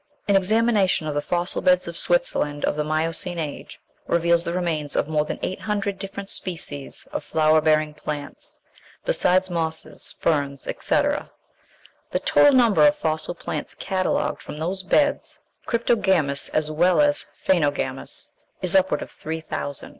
An examination of the fossil beds of Switzerland of the Miocene Age reveals the remains of more than eight hundred different species of flower bearing plants, besides mosses, ferns, etc. The total number of fossil plants catalogued from those beds, cryptogamous as well as phænogamous, is upward of three thousand.